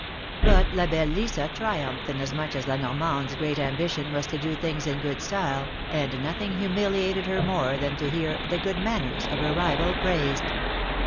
But La belle Lisa triumphed inasmuch as La Normande's great ambition was to do things in good style, and nothing humiliated her more than to hear the good manners'^ of her rival praised.